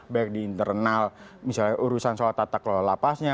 baik di internal misalnya urusan soal tata kelola lapasnya